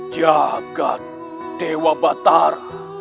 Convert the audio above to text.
jagad dewa batar